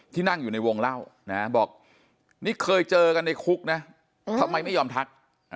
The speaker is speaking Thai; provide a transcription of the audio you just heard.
นั่งอยู่ในวงเล่านะบอกนี่เคยเจอกันในคุกนะทำไมไม่ยอมทัก